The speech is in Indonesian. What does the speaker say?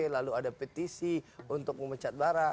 lalu ada petisi untuk memecat bara